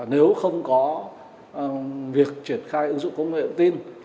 nếu không có việc triển khai ứng dụng công nghệ ứng tin